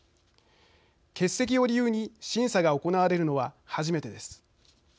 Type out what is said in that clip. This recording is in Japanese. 欠席を理由に審査が行われるのは初めてです。